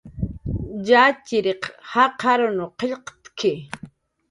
Yatxchiriq jaqarunw qillqt'ki